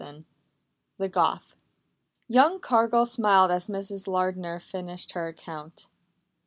VI THE GOTH Young Cargill smiled as Mrs. Lardner finished her account.